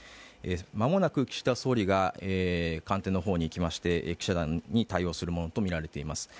間もなく岸田総理が官邸の方に来まして記者団に対応するものとみられています。